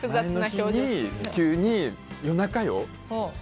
急に夜中よ。